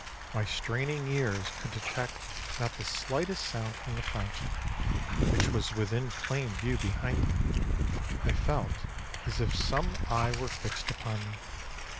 My straining ears could detect not the slightest sound from the fountain, which was within plain view behind me. I felt as if some eye were fixed upon me.